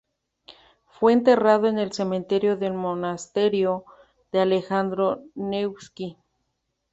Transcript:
Fue enterrado en el cementerio del Monasterio de Alejandro Nevski.